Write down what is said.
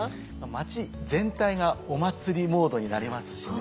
街全体がお祭りモードになりますしね。